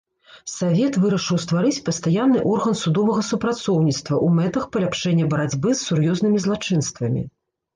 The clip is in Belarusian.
Савет вырашыў стварыць пастаянны орган судовага супрацоўніцтва ў мэтах паляпшэння барацьбы з сур'ёзнымі злачынствамі.